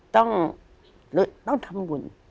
ต้องทำบุญ